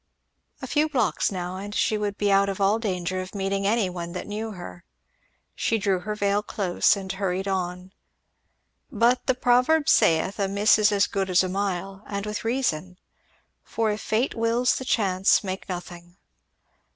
A few blocks now and she would be out of all danger of meeting any one that knew her. She drew her veil close and hurried on. But the proverb saith "a miss is as good as a mile," and with reason; for if fate wills the chances make nothing.